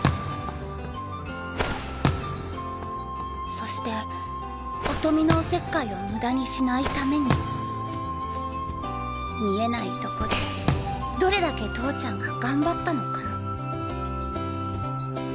そして音美のおせっかいをムダにしないために見えないとこでどれだけ投ちゃんが頑張ったのかも